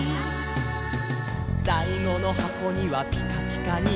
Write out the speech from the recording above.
「さいごのはこにはぴかぴかに」